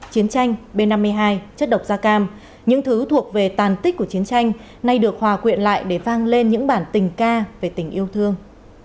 chiến tranh b năm mươi hai chất độc da cam những thứ thuộc về tàn tích của chiến tranh nay được hòa quyện lại để vang lên những bản tình ca về tình yêu thương